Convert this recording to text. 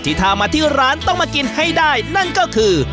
พามาที่ร้านต้องมากินให้ได้นั่นก็คือ